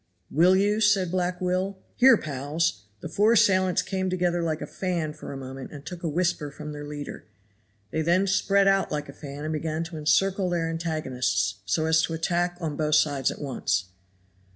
"Will you?" said Black Will, "here, pals!" The four assailants came together like a fan for a moment and took a whisper from their leader. They then spread out like a fan and began to encircle their antagonists, so as to attack on both sides at once.